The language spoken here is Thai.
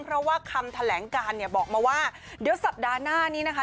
เพราะว่าคำแถลงการเนี่ยบอกมาว่าเดี๋ยวสัปดาห์หน้านี้นะคะ